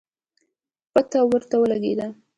پته ورته ولګېده